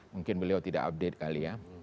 mungkin beliau tidak update kali ya